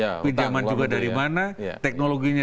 uangnya ya pinjaman juga dari mana teknologinya